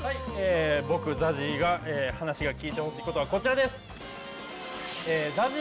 僕、ＺＡＺＹが話を聞いてほしいことはこちらです。